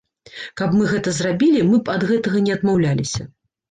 Каб мы гэта зрабілі, мы б ад гэтага не адмаўляліся.